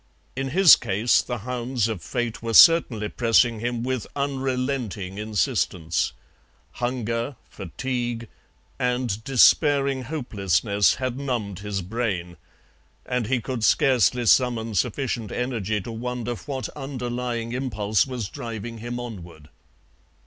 In his case the hounds of Fate were certainly pressing him with unrelenting insistence; hunger, fatigue, and despairing hopelessness had numbed his brain, and he could scarcely summon sufficient energy to wonder what underlying impulse was driving him onward.